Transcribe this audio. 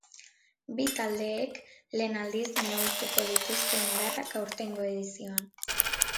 Bi taldeek lehen aldiz neurtuko dituzte indarrak aurtengo edizioan.